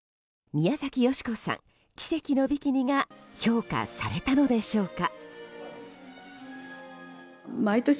宮崎美子さん、奇跡のビキニが評価されたのでしょうか。